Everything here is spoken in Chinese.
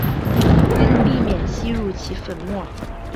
应避免吸入其粉末。